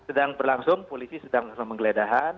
sedang berlangsung polisi sedang langsung penggeledahan